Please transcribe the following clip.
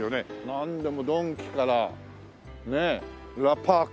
なんでもドンキからねえラパーク。